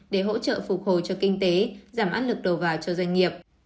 để hỗ trợ phục hồi cho kinh tế giảm áp lực đầu vào cho doanh nghiệp